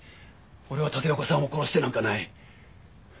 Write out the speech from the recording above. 俺は立岡さんを殺してなんかない。